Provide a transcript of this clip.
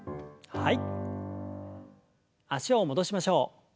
はい。